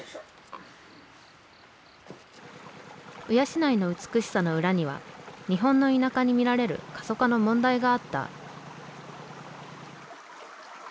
鵜養の美しさの裏には日本の田舎に見られる過疎化の問題があった。